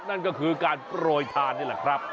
นั่นก็คือการโปรยทานนี่แหละครับ